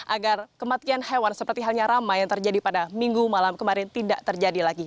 agar kematian hewan seperti halnya ramai yang terjadi pada minggu malam kemarin tidak terjadi lagi